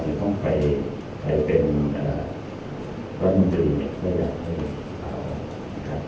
จะต้องไปใครเป็นรัฐมนตรีได้รักให้เขาครับ